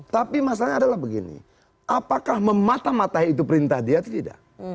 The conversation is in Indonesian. gitu loh tapi masalahnya adalah begini apakah memata matai itu perintah dia itu tidak